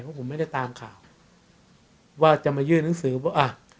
เพราะผมไม่ได้ตามข่าวว่าจะมายื่นหนังสือว่าอ่ะ